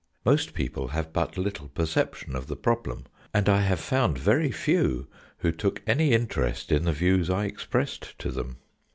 Most people have but little perception of the problem, and I have found very few who took any interest in the views I expressed to them.